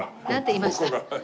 言いました？